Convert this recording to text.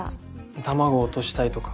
卵を落としたいとか？